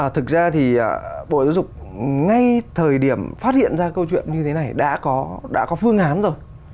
thực ra thì bộ giáo dục ngay thời điểm phát hiện ra câu chuyện như thế này đã có phương án rồi